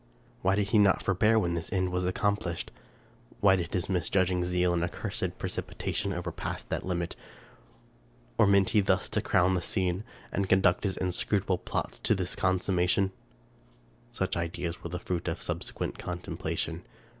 Why did he not forbear when this end was accomplished ? Why did his misjudging zeal and accursed precipitation overpass that limit ? Or meant he thus to crown the scene, and conduct his inscrutable plots to this consummation? Such ideas were the fruit of subsequent contemplation.